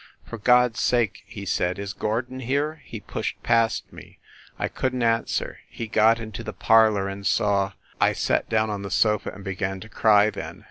"For God s sake," he said, "is Gordon here?" He pushed past me I couldn t answer he got into the parlor and saw. ... I sat down on the sofa and began to cry, then